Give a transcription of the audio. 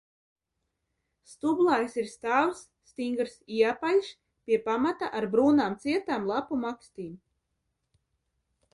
Stublājs ir stāvs, stingrs, ieapaļš, pie pamata ar brūnām, cietām lapu makstīm.